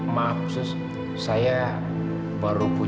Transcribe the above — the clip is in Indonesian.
maaf sus saya baru berubah